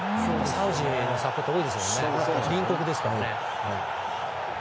サウジのサポーター多いですもんね。